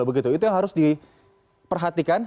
begitu itu yang harus diperhatikan